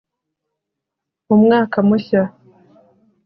mu mwaka mushya